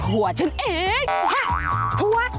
ผัวฉันเอง